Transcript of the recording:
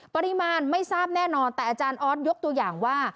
ปริมาณไม่ทราบแน่นอนแต่อาจารย์ออสยกตัวอย่างว่า